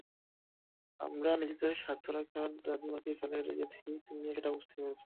আমরা নিজেদের স্বার্থরক্ষায় দাদিমাকে ফেলে গেছি তিনিও সেটা বুঝতে পেরেছেন।